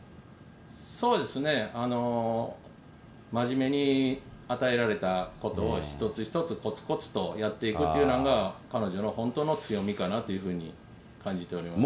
そうですね、真面目に与えられたことを、一つ一つこつこつとやっていくというのが、彼女の本当の強みかなっていうふうに思います。